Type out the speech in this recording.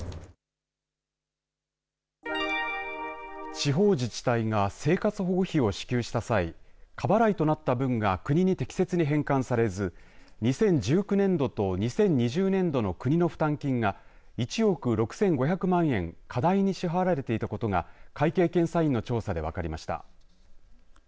地方自治体が生活保護費を支給した際過払いとなった分が国に適切に返還されず２０１９年度と２０２０年度の国の負担金が１億６５００万円過大に支払われていたことが会計検査院の調査で分かりました。